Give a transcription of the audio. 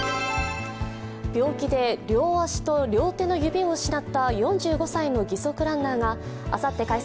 病気で両足を両手の指を失った４５歳の義足ランナーがあさって開催